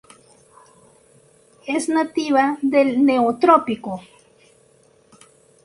Es nativa del Neotrópico.